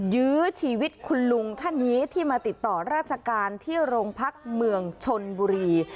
ยื้อชีวิตคุณลุงท่านนี้ที่มาติดต่อราชการที่โรงพักเมืองชนบุรี